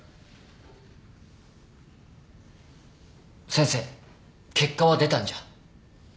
先生結果は出たんじゃ？